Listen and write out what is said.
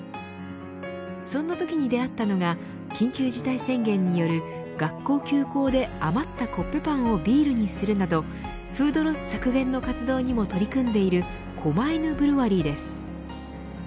そんなときに出会ったのが緊急事態宣言による学校休校で余ったコッペパンをビールにするなどフードロス削減の活動にも取り組んでいるこまいぬブルワリーです。